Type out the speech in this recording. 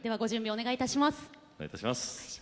お願いいたします。